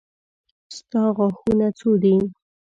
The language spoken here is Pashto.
ستا غاښونه څو دي.